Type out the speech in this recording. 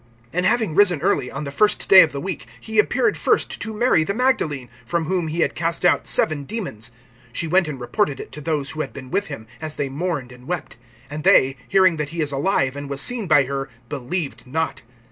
(9)And having risen early, on the first day of the week, he appeared first to Mary the Magdalene, from whom he had cast out seven demons. (10)She went and reported it to those who had been with him, as they mourned and wept. (11)And they, hearing that he is alive, and was seen by her, believed not.